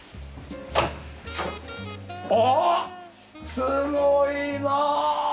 すごいな！